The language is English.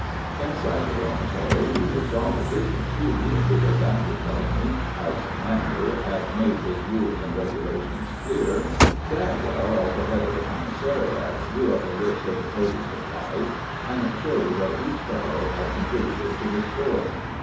Inside the dormitory we were jolly busy, too, because after Trelawny, as commander, had made his rules and regulations clear, Bradwell, as the head of the commissariat, drew up a list of the total supplies, and showed what each fellow had contributed to the store.